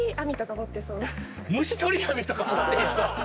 「虫取り網とか持ってそう」！